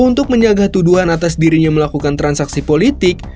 untuk menjaga tuduhan atas dirinya melakukan transaksi politik